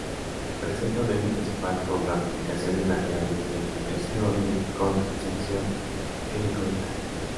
Presenta un eje principal con ramificaciones laterales de hasta tercer orden con inserción helicoidal.